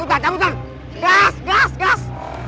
gak ada masalah mas